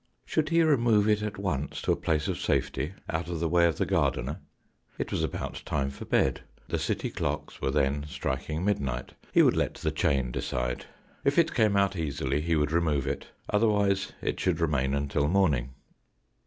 Should he remove it at once to a place of safety, out of the way of the gardener ? It was about time for bed. The city clocks were then striking midnight. He would let the chain decide. If it came out easily he would remove it ; otherwise, it should remain until morning.